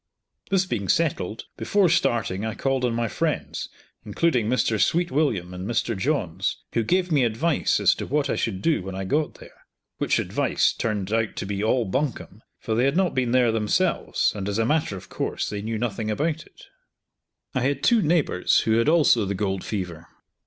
This being settled, before starting I called on my friends, including Mr. Sweetwilliam and Mr. Johns, who gave me advice as to what I should do when I got there: which advice turned out to be all bunkum, for they had not been there themselves, and, as a matter of course, they knew nothing about it. I had two neighbours who had also the gold fever.